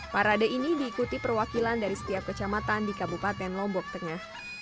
parade ini diikuti perwakilan dari setiap kecamatan di kabupaten lombok tengah